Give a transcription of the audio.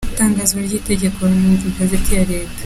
Itangazwa ry’itegeko mu igazeti ya Leta.